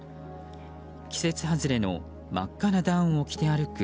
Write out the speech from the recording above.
季節外れの真っ赤なダウンを着て歩く